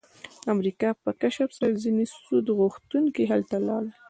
د امریکا په کشف سره ځینې سود غوښتونکي هلته لاړل